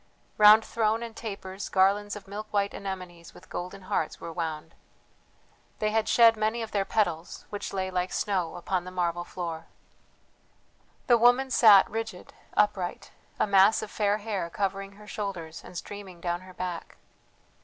Round throne and tapers garlands of milk white anemones with golden hearts were wound. They had shed many of their petals, which lay like snow upon the marble floor. The woman sat rigid, upright, a mass of fair hair covering her shoulders and streaming down her back.